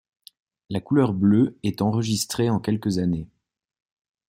La couleur bleue est enregistrée en quelques années.